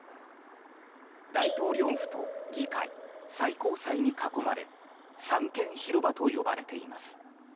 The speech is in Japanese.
大統領府と議会、最高裁に囲まれ三権広場と呼ばれています。